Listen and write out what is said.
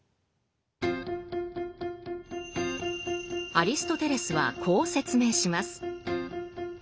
アリストテレスはこう説明します。